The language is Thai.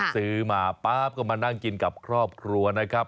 ซื้อมาป๊าบก็มานั่งกินกับครอบครัวนะครับ